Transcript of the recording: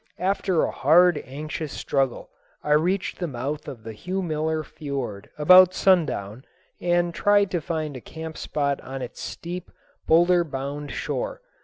After a hard, anxious struggle, I reached the mouth of the Hugh Miller fiord about sundown, and tried to find a camp spot on its steep, boulder bound shore.